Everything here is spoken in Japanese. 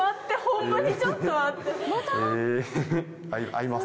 会います